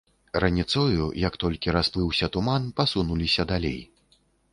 Раніцою, як толькі трохі расплыўся туман, пасунуліся далей.